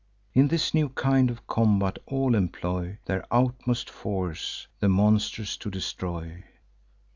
In this new kind of combat all employ Their utmost force, the monsters to destroy.